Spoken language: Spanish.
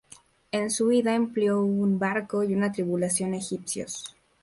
En su huida empleó un barco y una tripulación egipcios.